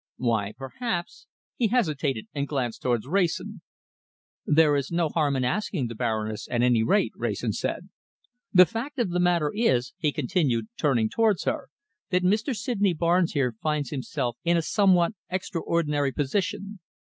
Why, perhaps " He hesitated, and glanced towards Wrayson. "There is no harm in asking the Baroness, at any rate," Wrayson said. "The fact of the matter is," he continued, turning towards her, "that Mr. Sydney Barnes here finds himself in a somewhat extraordinary position.